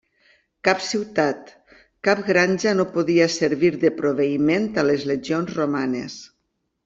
Cap ciutat, cap granja no podia servir de proveïment a les legions romanes.